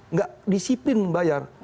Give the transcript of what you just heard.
nggak disiplin bayar